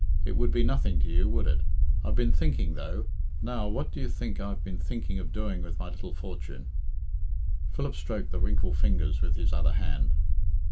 It would be nothing to you, would it? I've been thinking, though now, what do you think I've been thinking of doing with my little fortune?" Philip stroked the wrinkled fingers with his other hand.